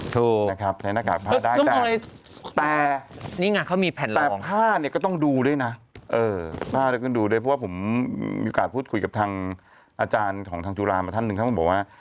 ถูกนะครับใช้หน้ากากผ้าได้แต่แต่ผ้าเนี่ยก็ต้องดูด้วยนะเพราะว่าผมมีโอกาสคุยกับทางอาจารย์ของทางธุรามาท่านหนึ่งเขาบอกว่า